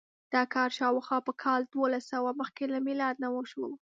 دا کار شاوخوا په کال دوولسسوه مخکې له میلاد نه وشو.